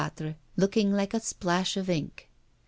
looking like a splash of ink.